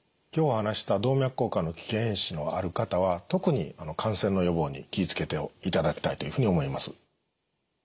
今日お話しした動脈硬化の危険因子のある方は特に感染の予防に気を付けていただきたいと思います。